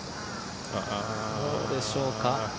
どうでしょうか。